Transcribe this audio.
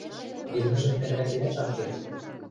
Йӹлмӹжӹм тӓрватенӓт ак керд.